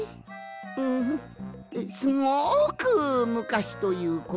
うんすごくむかしということかの。